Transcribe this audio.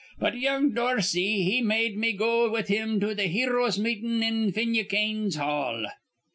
But young Dorsey he med me go with him to th' hero's meetin' in Finucane's hall.